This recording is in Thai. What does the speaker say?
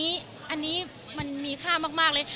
ใช่ค่ะอันนี้มันมีค่ามากเลย